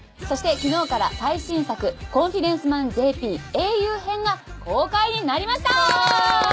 そして昨日から最新作『コンフィデンスマンＪＰ英雄編』が公開になりました！